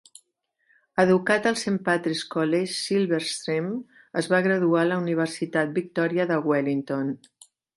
Educat al Saint Patrick 's College, Silverstream, es va graduar a la Universitat Victòria de Wellington.